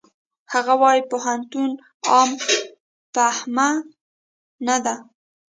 هغه وايي پوهنتون عام فهمه نه ده.